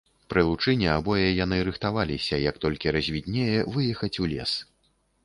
Пры лучыне абое яны рыхтаваліся, як толькі развіднее, выехаць у лес.